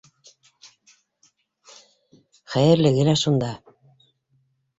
Хәйерлеге лә шунда.